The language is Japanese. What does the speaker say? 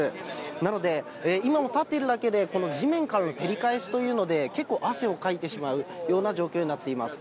なので、今も立っているだけで、この地面からの照り返しというので、結構汗をかいてしまうような状況になっています。